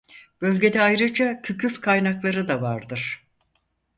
Bölgede ayrıca kükürt kaynakları da vardır.